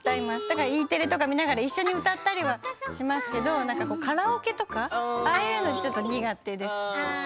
Ｅテレを見ながら、一緒に歌ったりしますけどカラオケとかああいうのは苦手ですね。